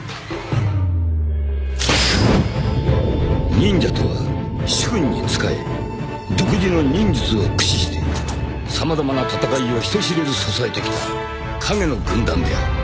［忍者とは主君に仕え独自の忍術を駆使して様々な戦いを人知れず支えてきた影の軍団である］